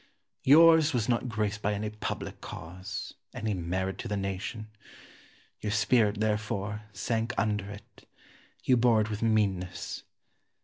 Yours was not graced by any public cause, any merit to the nation. Your spirit, therefore, sank under it; you bore it with meanness.